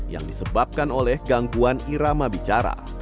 yang disebabkan oleh gangguan irama bicara